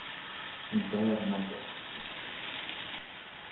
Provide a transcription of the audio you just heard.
De were nemre!